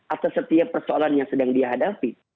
atas setiap persoalan yang sedang dihadapi